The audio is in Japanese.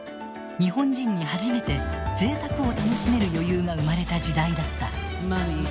日本人に初めてぜいたくを楽しめる余裕が生まれた時代だった。